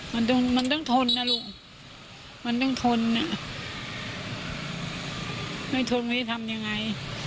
มันต้องมันต้องทนนะลุงมันต้องทนนะไม่ทนไม่ได้ทำยังไง